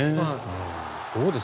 どうです？